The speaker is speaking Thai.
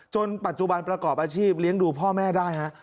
ปัจจุบันประกอบอาชีพเลี้ยงดูพ่อแม่ได้ฮะ